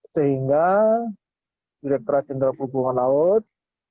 sehingga direkturat jenderal perhubungan laut